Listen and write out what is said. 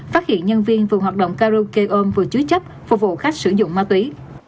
phát hiện nhân viên vùng hoạt động karaoke ôm vừa chú chấp phục vụ khách sử dụng ma túy